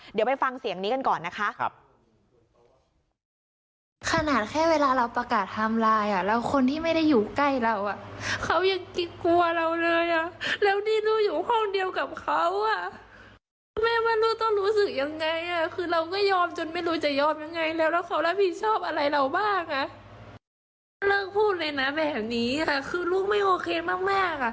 เดี๋ยวไปฟังเสียงนี้กันก่อนนะคะ